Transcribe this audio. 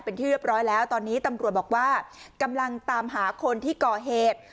เป็นที่เรียบร้อยแล้วตอนนี้ตำรวจบอกว่ากำลังตามหาคนที่ก่อเหตุ